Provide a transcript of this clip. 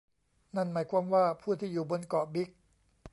นั่นหมายความว่า ผู้ที่อยู่บนเกาะบิ๊ก